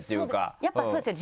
やっぱそうですよね